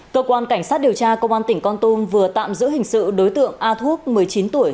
cơ quan cảnh sát điều tra công an tỉnh con tum vừa tạm giữ hình sự đối tượng a thuốc một mươi chín tuổi